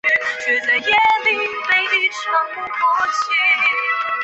叉膜石蛏为贻贝科石蛏属的动物。